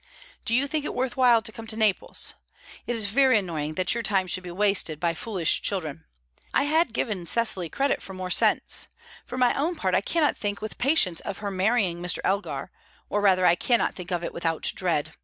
Do you think it worth while to come to Naples? It is very annoying that your time should be wasted by foolish children. I had given Cecily credit for more sense. For my own part, I cannot think with patience of her marrying Mr. Elgar; or rather, I cannot think of it without dread.